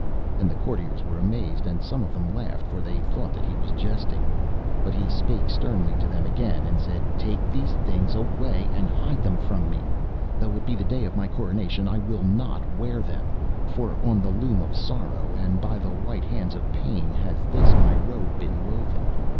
And the courtiers were amazed, and some of them laughed, for they thought that he was jesting. But he spake sternly to them again, and said: 'Take these things away, and hide them from me. Though it be the day of my coronation, I will not wear them. For on the loom of Sorrow, and by the white hands of Pain, has this my robe been woven.